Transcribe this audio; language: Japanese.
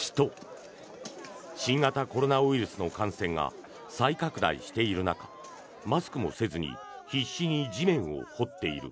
新型コロナウイルスの感染が再拡大している中マスクもせずに必死に地面を掘っている。